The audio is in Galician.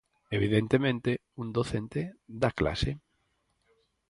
Evidentemente, un docente dá clase.